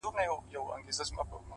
خوښې غواړو غم نه غواړو عجيبه نه ده دا’